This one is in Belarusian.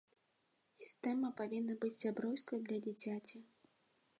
Сістэма павінна быць сяброўскай для дзіцяці.